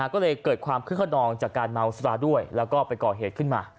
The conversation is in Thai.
ก็เลยเกิดความคึกขนองจากการเมาสุราด้วยแล้วก็ไปก่อเหตุขึ้นมา